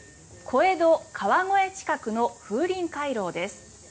小江戸川越近くの風鈴回廊です。